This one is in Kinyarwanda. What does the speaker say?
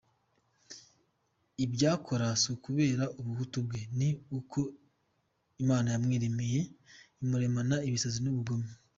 Ibyakora sukubera ubuhutu bwe ni ko Imana yamwiremeye, imuremana ibisazi n’ubugome